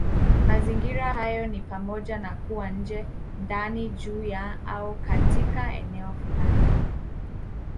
Mazingira hayo ni pamoja na kuwa nje, ndani, juu ya, au katika eneo fulani.